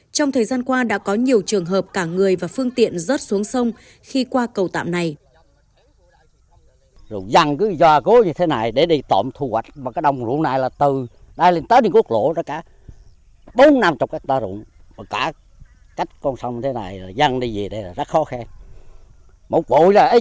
trong thời gian qua đã có nhiều trường hợp cả người và phương tiện rớt xuống sông khi qua cầu tạm này